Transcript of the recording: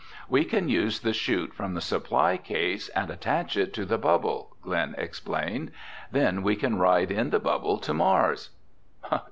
"We can use the chute from the supply case and attach it to the bubble," Glen explained. "Then we can ride in the bubble to Mars."